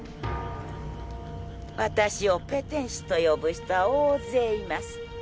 私をペテン師と呼ぶ人は大勢います。